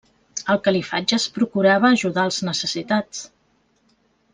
Al Califat ja es procurava ajudar els necessitats.